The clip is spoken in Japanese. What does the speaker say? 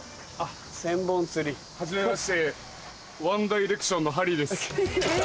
はじめましてワン・ダイレクションのハリーです。